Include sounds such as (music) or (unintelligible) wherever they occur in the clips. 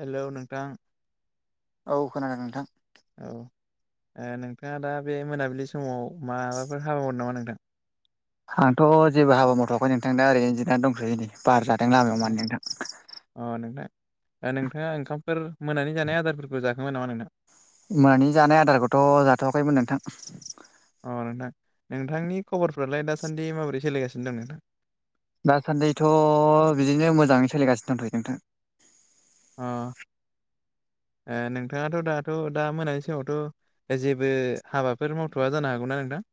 हेल' नोंथां औ खोनादों नोंथां औ नोंथाङा दा बे मोनाबिलि समाव माबाफोर हाबा मावदों नामा नोंथां। आंथ' जेबो हाबा मावथ'वाखै नोंथां दा ओरैनो जिरायनानै दंथयो नै बार जादों लामायाव माने नोंथां अ-अ नोंथां नोंथाङा ओंखामफोर मोनानि जानाय आदारफोरखौ जाखांबाय नामा नोंथां मानि जानाय आदारखौथ' जाथ'वाखैमोन नोंथां। अ नोंथां नोंथांनि खबरफ्रालाय दासान्दि माबोरै सोलिगासिनो दं नोंथां दासान्दिथ' बिदिनो मोजाङै सोलिगासिनो दंथयो' नोंथां। अ ए नोंथाङाथ' दाथ' दा मोनानि समावथ' जेबो हाबाफोर मावथ'वा जानो हागौना नोंथां।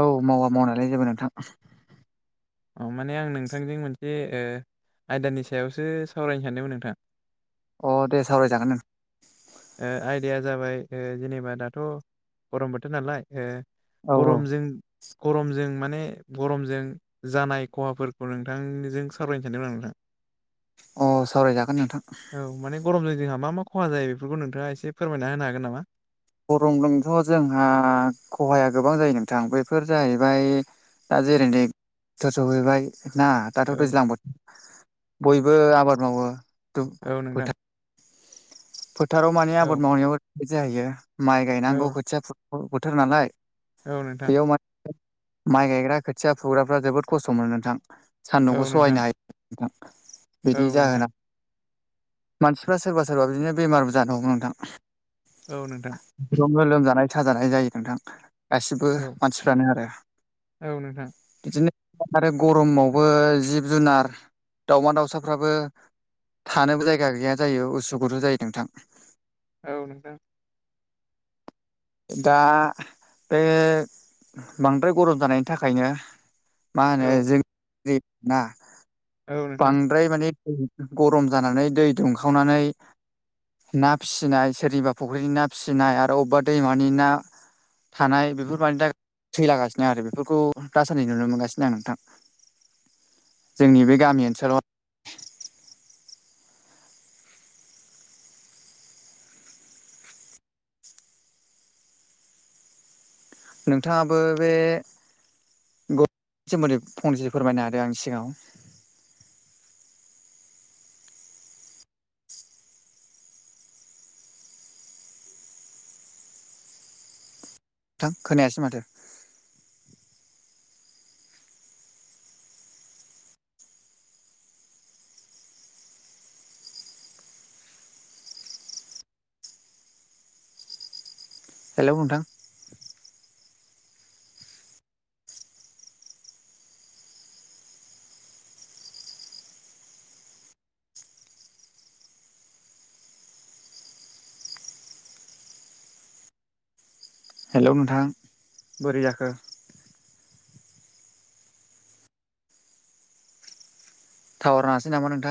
औ मावा मावनायालाय जेबो नोंथां अ माने आं नोंथांजों मोनसे ओ आयदानि सायावसो सावरायनो सानदोंमोन नोंथां अ दे सावरायजागोन (inaudible) ओ आयदाया जाबाय ओ जेनेबा दाथ' गरम बोथोर नालाय ओ औ गरमजों गरमजों माने गरमजों जानाय खहाफोरखौ नोंथांजों सावरायनो सानदोंमोन आं नोंथां औ अ सावरायजागोन नोंथां औ माने गरम जोंहा मा-मा खहा जायो बेफोरखौ नोंथाङा एसे फोरमायना होनो हागोन नामा? गरमजोंथ' जोंहा खहाया गोबां जायो नोंथां बफोर जाहैबाय दा जेरै (unintelligible) सहैबाय ना दाथ' औ दैज्लां बोथोर बयबो आबाद मावो औ नोंथां दु-फोथार फोथाराव मानि आबाद औ मावनायाव ओरैबायदि जाहायो माइ गायनांगौ औ खोथिया फुनाय बोथोर नालाय औ नोंथां बेयाव माने माइ गायग्रा खोथिया फुग्राफ्रा जोबोद खस्थ' मोनो नोंथां औ सान्दुंखौ सहायनो नोंथां हायो नोंथां औ बिनि नोंथां जाहोना मानसिफ्रा सोरबा सोरबा बिदिनो बेमारबो जानो हमो नोंथां औ नोंथां बिफोरावनो लोमजानाय साजानाय जायो नोंथां गासिबो औ मानसिफ्रानो आरो औ नोंथां बिदिनो आरो गरमावबो जिब जुनार दाउमा दाउसाफ्राबो थानोबो जायगा गैया जायो उसु गुथु जायो नोंथां औ नोंथां दा बे बांद्राय गरम जानायनि थाखायनो मा औ होनो (unintelligible) औ नोंथां बांद्राय माने गरम जानानै दै दुंखावनानै ना फिसिनाय सोरनिबा फुख्रिनि ना फिसिनाय आरो अबेबा दैमानि ना थानाय बेफोर मानि थाखाय थैलागासिनों आरो बेफोरखौ दासान्दि नुनो मोनगासिनो आं नोंथां। जोंनि बे गामि ओनसोलाव। नोंथाङाबो बे (unintelligible) नि सोमोन्दै फंनैसो फोरमायनो हादों आंनि सिगाङाव। नोंथां खोनायासै माथो? हेल' नोंथां। हेल' नोंथां बोरैजाखो? टावार नाङासै नामा नोंथां?